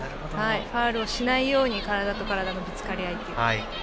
ファウルをしないように体と体のぶつかり合い。